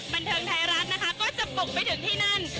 บันเทิงไทยรัฐนะคะก็จะบุกไปถึงที่นั่น